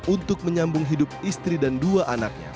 untuk menyambung hidup istri dan dua anaknya